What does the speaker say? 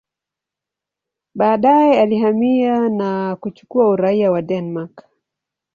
Baadaye alihamia na kuchukua uraia wa Denmark.